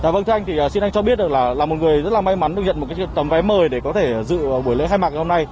vâng thưa anh thì xin anh cho biết là một người rất là may mắn được nhận một cái tấm vé mời để có thể dự buổi lễ khai mạc ngày hôm nay